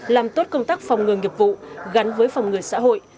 làm tốt công tác phòng ngừa nghiệp vụ gắn với phòng ngừa xã hội